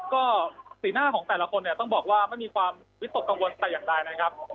ก็สีหน้าของแต่ละคนเนี่ยต้องบอกว่าไม่มีความวิตกกังวลแต่อย่างใดนะครับ